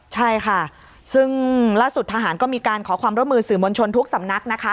ใช่ค่ะซึ่งล่าสุดทหารก็มีการขอความร่วมมือสื่อมวลชนทุกสำนักนะคะ